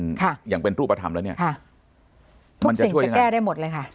มีการใช้กันค่ะอย่างเป็นรูปธรรมแล้วเนี่ยค่ะทุกสิ่งจะแก้ได้หมดเลยค่ะ